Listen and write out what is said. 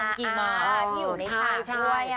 อ่าที่อยู่ในชากด้วย